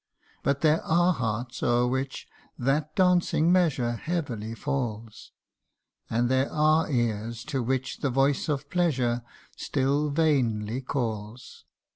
But there are hearts o'er which that dancing measure Heavily falls ! And there are ears to which the voice of pleasure Still vainly calls